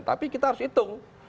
tapi kita harus hitung